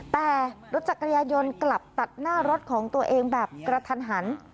แต่รถจักรยานยนต์กลับตัดหน้ารถของตัวเองแบบกระทันหัน